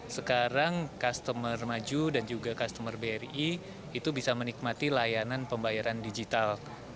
sekarang customer maju dan juga customer bri itu bisa menikmati layanan pembayaran digital